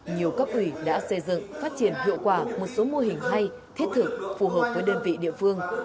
nhiều cấp ủy đã xây dựng phát triển hiệu quả một số mô hình hay thiết thực phù hợp với đơn vị địa phương